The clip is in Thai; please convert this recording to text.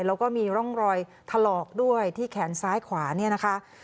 แล้วก็มีร่องรอยถลอกด้วยที่แขนซ้ายขวาเนี่ยนะคะ